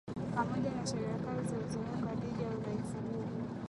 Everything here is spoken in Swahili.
Pamoja na Sheria Kali zilizowekwa dhidi ya uhalifu huo